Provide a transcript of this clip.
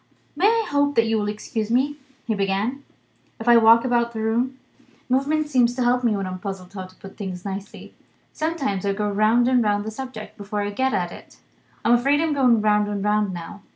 "May I hope that you will excuse me," he began, "if I walk about the room? Movement seems to help me when I am puzzled how to put things nicely. Sometimes I go round and round the subject, before I get at it. I'm afraid I'm going round and round, now.